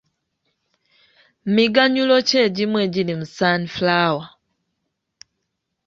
Miganyulo ki egimu egiri mu sunflower?